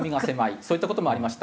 そういった事もありました。